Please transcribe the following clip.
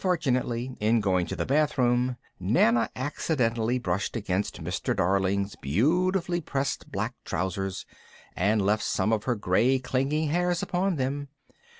] Unfortunately, in going to the bathroom, Nana accidentally brushed against Mr. Darling's beautifully pressed black trousers, and left some of her grey clinging hairs upon them.